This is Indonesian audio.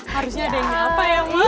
harusnya ada yang nyapa ya mas